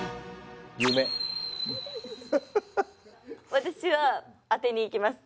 私は当てにいきます。